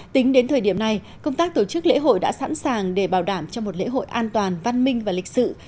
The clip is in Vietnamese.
tính đến thời điểm này công tác tổ chức lễ hội đã sẵn sàng để bảo đảm cho một lễ hội an toàn văn minh và lịch sự